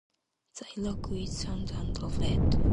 The Iroquois turned and fled.